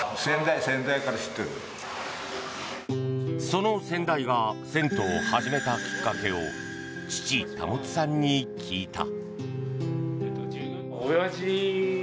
その先代が銭湯を始めたきっかけを父・保さんに聞いた。